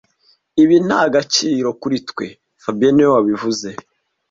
Ibi nta gaciro kuri twe fabien niwe wabivuze